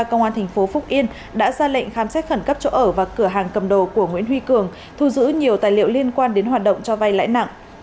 công an thành phố phúc yên đã ra lệnh khám xét khẩn cấp chỗ ở và cửa hàng cầm đồ của nguyễn huy cường thu giữ nhiều tài liệu liên quan đến hoạt động cho vay lãi nặng